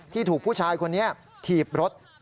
ที่ถูกผู้ชายคนนี้ถีบรถ